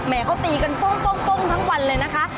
เขาตีกันโป้งทั้งวันเลยนะคะ